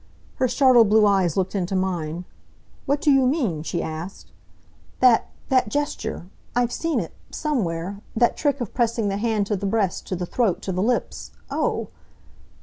Her startled blue eyes looked into mine. "What do you mean?" she asked. "That that gesture. I've seen it somewhere that trick of pressing the hand to the breast, to the throat, to the lips Oh!"